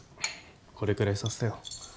これくらいさせてよ。